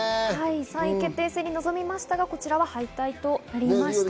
３位決定戦に臨みましたがこちらは敗退となりました。